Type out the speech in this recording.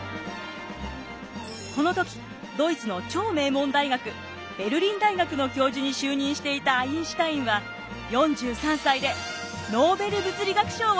この時ドイツの超名門大学ベルリン大学の教授に就任していたアインシュタインは４３歳でノーベル物理学賞を受賞します。